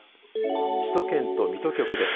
首都圏と水戸局です。